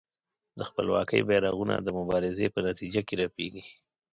د خپلواکۍ بېرغونه د مبارزې په نتیجه کې رپېږي.